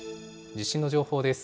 地震の情報です。